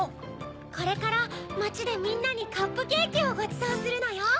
これからまちでみんなにカップケーキをごちそうするのよ。